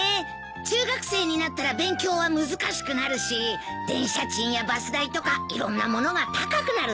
中学生になったら勉強は難しくなるし電車賃やバス代とかいろんなものが高くなるからね。